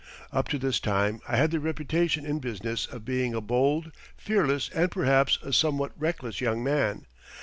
Up to this time I had the reputation in business of being a bold, fearless, and perhaps a somewhat reckless young man.